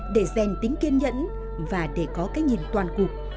để dành tính kiên nhẫn và để có cái nhìn toàn cục